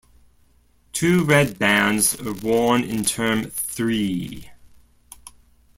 Two red bands are worn in term three.